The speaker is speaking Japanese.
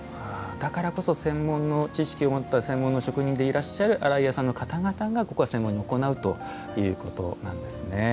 だからこそ専門の知識を持った専門の職人でいらっしゃる洗い屋さんの方々がここは専門に行うということなんですね。